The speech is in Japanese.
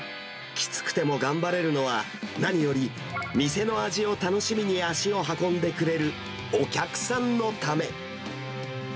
きつくても頑張れるのは、何より店の味を楽しみに足を運んでくれるお客さんのため。